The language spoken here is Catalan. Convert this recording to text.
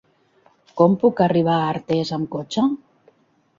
Com puc arribar a Artés amb cotxe?